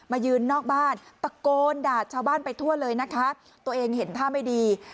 ยืนนอกบ้านตะโกนด่าชาวบ้านไปทั่วเลยนะคะตัวเองเห็นท่าไม่ดี